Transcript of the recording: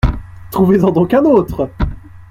Trouvez-en donc un autre.